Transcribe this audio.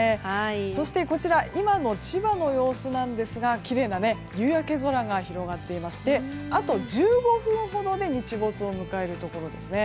そして今の千葉の様子なんですがきれいな夕焼け空が広がっていましてあと１５分ほどで日没を迎えるところですね。